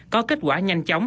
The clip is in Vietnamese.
có kết quả nhanh chóng